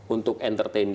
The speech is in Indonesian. untuk entertain dia